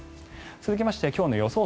続きまして、今日の予想